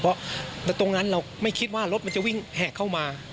เพราะตรงนั้นเราไม่คิดว่ารถมันจะวิ่งแหกเข้ามา